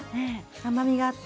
甘みがあって。